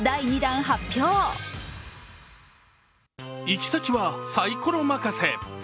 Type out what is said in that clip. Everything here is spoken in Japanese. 行き先はサイコロ任せ。